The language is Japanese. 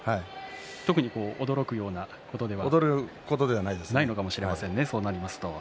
特に驚くようなことではないかもしれないですね。